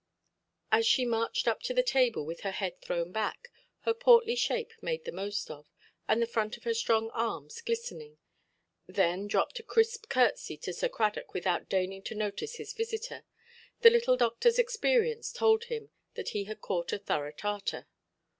As she marched up to the table, with her head thrown back, her portly shape made the most of, and the front of her strong arms glistening, then dropped a crisp curtsey to Sir Cradock without deigning to notice his visitor, the little doctorʼs experience told him that he had caught a thorough Tartar.